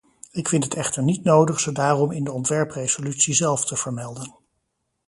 Ik vind het echter niet nodig ze daarom in de ontwerpresolutie zelf te vermelden.